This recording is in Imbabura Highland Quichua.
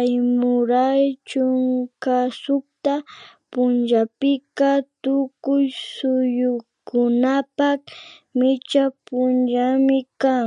Aymuray chunka sukta punllapika tukuy suyukunapak micha punllami kan